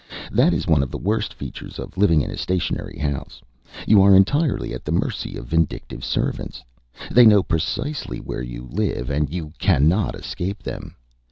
That is one of the worst features of living in a stationary house. You are entirely at the mercy of vindictive servants. They know precisely where you live, and you cannot escape them.